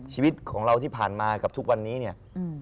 ชีวิตของเราที่ผ่านมากับทุกวันนี้เนี่ย